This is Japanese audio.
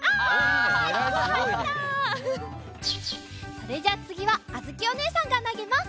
それじゃあつぎはあづきおねえさんがなげます！